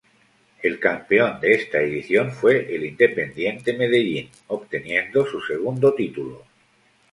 El campeón de esta edición fue el Independiente Medellín obteniendo su segundo título.